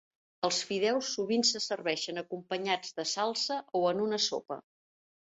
Els fideus sovint se serveixen acompanyats de salsa o en una sopa.